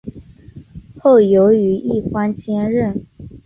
后由于一方接任。